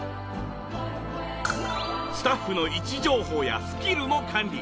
スタッフの位置情報やスキルも管理。